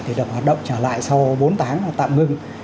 thì được hoạt động trở lại sau bốn tháng tạm ngưng